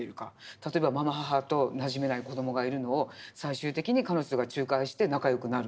例えばまま母となじめない子どもがいるのを最終的に彼女が仲介して仲良くなる。